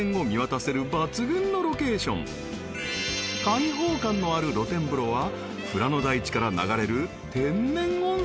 ［開放感のある露天風呂は富良野大地から流れる］